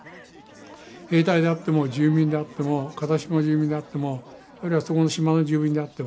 兵隊であっても住民であっても風下の住民であってもあるいはそこの島の住民であっても。